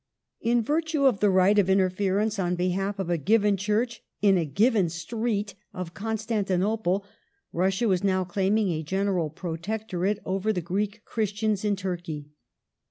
^ In virtue of a right of interference on behalf of a given Church in a given street of Constantinople, Russia was now claiming a general protectorate over the Greek Christians in Turkey.